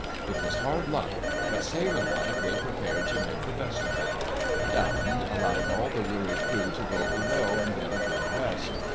It was hard luck, but sailor like they prepared to make the best of it. Daland allowed all the weary crew to go below and get a good rest.